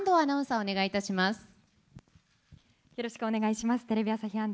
お願いします。